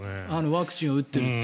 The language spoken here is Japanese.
ワクチンを打ってるって。